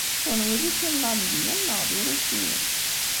Kunwi d Ifinlandiyen neɣ d Irusiyen?